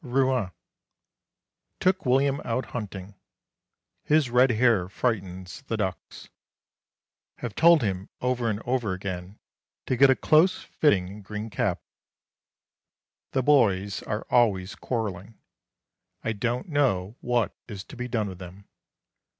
Rouen. Took William out hunting. His red hair frightens the ducks. Have told him over and over again to get a close fitting green cap. The boys are always quarrelling. I don't know what is to be done with them.